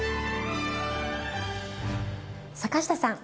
坂下さん。